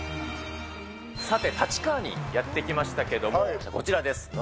さて、立川にやって来ましたけども、こちらです。